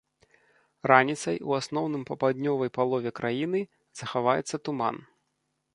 Раніцай у асноўным па паўднёвай палове краіны захаваецца туман.